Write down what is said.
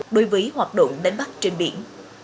đối với hoạt động đánh bắt trên biển